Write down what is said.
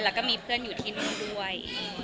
แล้วก็มีเพื่อนอยู่ที่นู่นด้วย